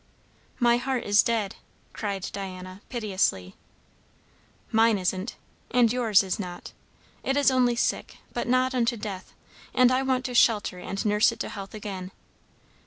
"My heart is dead!" cried Diana piteously. "Mine isn't. And yours is not. It is only sick, but not unto death; and I want to shelter and nurse it to health again.